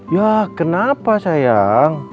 ya kenapa sayang